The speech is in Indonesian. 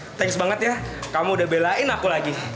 intens banget ya kamu udah belain aku lagi